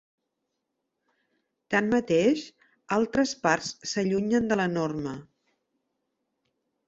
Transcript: Tanmateix, altres parts s'allunyen de la norma.